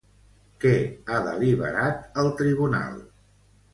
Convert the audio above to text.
Què ha deliberat el Tribunal?